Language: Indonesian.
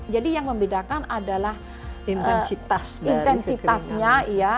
jadi yang membedakan adalah intensitasnya